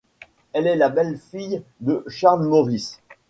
Elle était la belle-fille de Charles Morice.